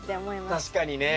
確かにね。